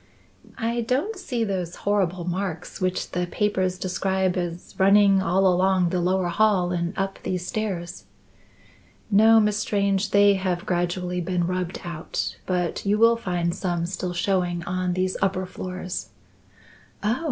"I don't see those horrible marks which the papers describe as running all along the lower hall and up these stairs." "No, Miss Strange; they have gradually been rubbed out, but you will find some still showing on these upper floors." "Oh!